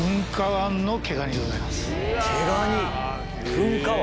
毛ガニ。